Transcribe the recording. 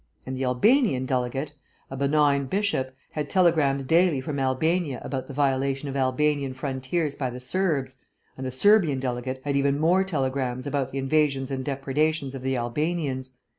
And the Albanian delegate (a benign bishop) had telegrams daily from Albania about the violation of Albanian frontiers by the Serbs, and the Serbian delegate had even more telegrams about the invasions and depredations of the Albanians.